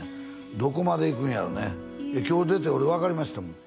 どこまでいくんやろうね今日出て俺分かりましたもん